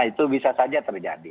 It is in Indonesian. itu bisa saja terjadi